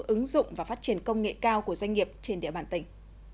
ứng dụng và phát triển công nghệ cao của doanh nghiệp trên địa bàn tỉnh